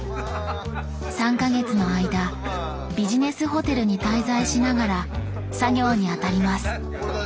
３か月の間ビジネスホテルに滞在しながら作業に当たります。